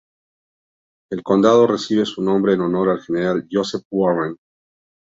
El condado recibe su nombre en honor al General Joseph Warren.